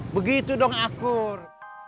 begitu dong akur